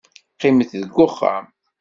Qqimet deg uxxam.